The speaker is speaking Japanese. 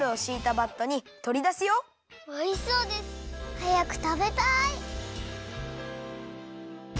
はやくたべたい！